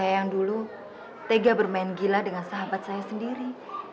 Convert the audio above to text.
saya yang dulu tega bermain gila dengan sahabat saya sendiri